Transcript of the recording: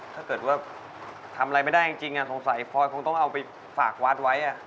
ถ้าเกิดว่าทำอะไรไม่ได้จริงสงสัยพลอยคงต้องเอาไปฝากวัดไว้